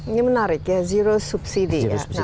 ini menarik ya zero subsidi ya